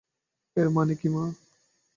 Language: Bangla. এর মানে কি, মা?